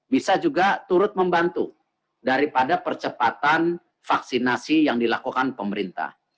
bisa juga turut membantu daripada percepatan vaksinasi yang dilakukan pemerintah